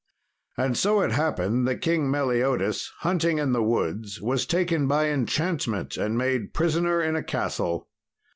And so it happened that King Meliodas hunting in the woods was taken by enchantment and made prisoner in a castle.